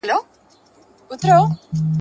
ما سپارلی د هغه مرستي ته ځان دی !.